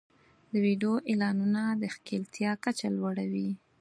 د ویډیو اعلانونه د ښکېلتیا کچه لوړوي.